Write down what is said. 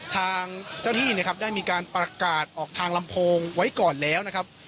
ทางเจ้าที่นะครับได้มีการประกาศออกทางลำโพงไว้ก่อนแล้วนะครับ